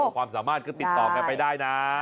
ความสามารถก็ติดต่อกันไปได้นะ